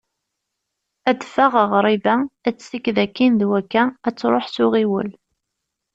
Ad d-teffeɣ ɣriba, ad tessiked akin d wakka, ad truḥ s uɣiwel.